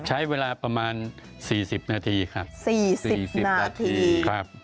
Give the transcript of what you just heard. ใช้เวลาประมาณสี่สิบนาทีครับสี่สิบนาทีครับ